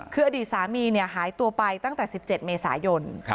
คืออดีตสามีหายตัวไปตั้งแต่๑๗เมษายน